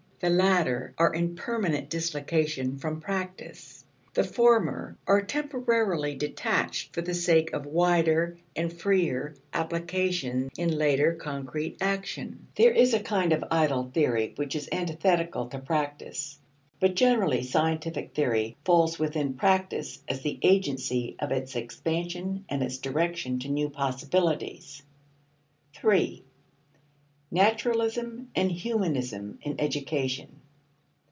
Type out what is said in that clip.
The latter are in permanent dislocation from practice; the former are temporarily detached for the sake of wider and freer application in later concrete action. There is a kind of idle theory which is antithetical to practice; but genuinely scientific theory falls within practice as the agency of its expansion and its direction to new possibilities. 3. Naturalism and Humanism in Education.